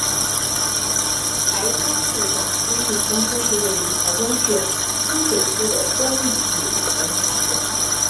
台中市港区艺术中心是位于台中市清水区的公立艺文场所。